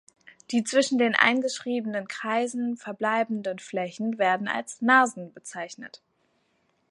Die zwischen den eingeschriebenen Kreisen verbleibenden Flächen werden als „Nasen“ bezeichnet.